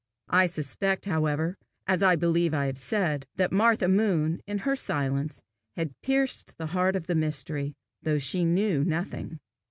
I suspect, however, as I believe I have said, that Martha Moon, in her silence, had pierced the heart of the mystery, though she knew nothing.